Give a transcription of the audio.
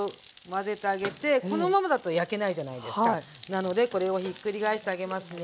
なのでこれをひっくり返してあげますね。